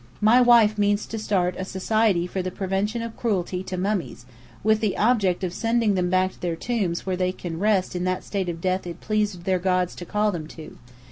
My wife means to start a society for the Prevention of Cruelty to Mummies, with the object of sending them back to their tombs where they can rest in that state of death it pleased their gods to call them to.